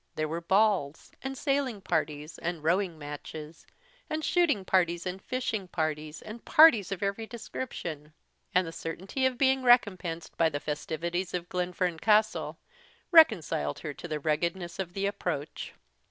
There were balls, and sailing parties, and rowing matches, and shooting parties, and fishing parties, and parties of every description; and the certainty of being recompensed by the festivities of Glenfern Castle, reconciled her to the ruggedness of the approach.